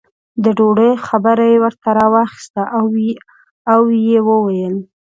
د ډوډۍ خبره یې ورته راواخسته او یې وویل.